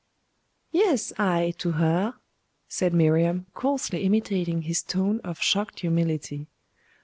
'Yes, I to her!' Said Miriam, coarsely imitating his tone of shocked humility.